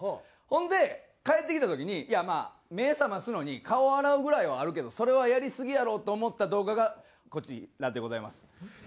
ほんで帰ってきた時にいやまあ目覚ますのに顔洗うぐらいはあるけどそれはやりすぎやろと思った動画がこちらでございます。